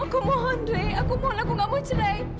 aku mohon dary aku mohon aku nggak mau cerai